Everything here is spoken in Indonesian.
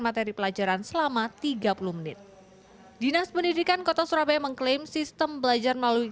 materi pelajaran selama tiga puluh menit dinas pendidikan kota surabaya mengklaim sistem belajar melalui